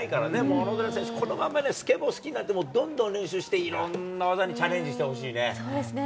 小野寺選手、このままどんどんスケボー好きになって、どんどん練習して、いろんな技にチャレンジそうですね。